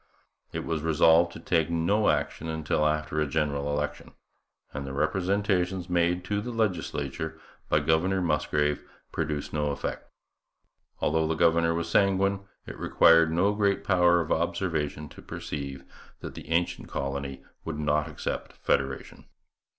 It was resolved to take no action until after a general election; and the representations made to the legislature by Governor Musgrave produced no effect. Although the governor was sanguine, it required no great power of observation to perceive that the ancient colony would not accept federation.